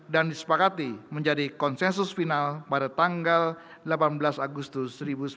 dan disepakati menjadi konsensus final pada tanggal delapan belas agustus seribu sembilan ratus empat puluh lima